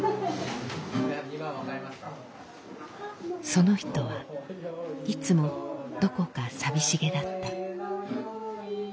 その人はいつもどこか寂しげだった。